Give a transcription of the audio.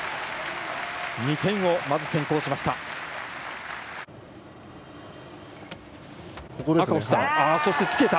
２点をまず先行しました。